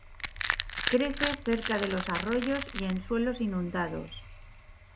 Crece cerca de los arroyos y en suelos inundados.